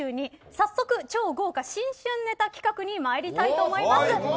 早速、超豪華新春ネタ企画に参りたいと思います。